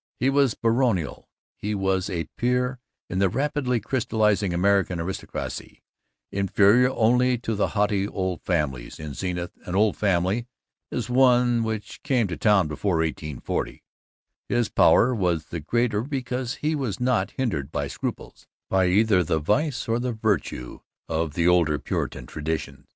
He was baronial; he was a peer in the rapidly crystallizing American aristocracy, inferior only to the haughty Old Families. (In Zenith, an Old Family is one which came to town before 1840.) His power was the greater because he was not hindered by scruples, by either the vice or the virtue of the older Puritan tradition.